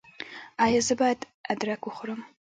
ایا زه باید ادرک وخورم؟